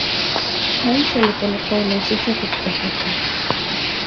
Maisha ni polepole usichoke kutafuta